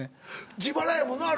自腹やもんなあれ。